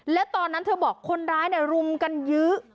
และตอนนั้นเธอบอกคนร้ายรุมกันยื้อ